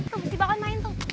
tung dibawah main tuh